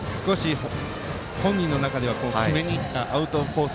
本人の中では決めにいったアウトコース